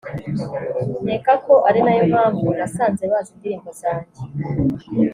nkeka ko ari nayo mpamvu nasanze bazi indirimbo zanjye